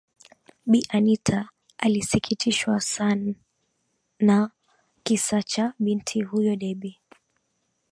Bi Anita alisikitishwa san ana kisa cha binti huyo Debby